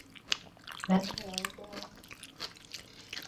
南寮端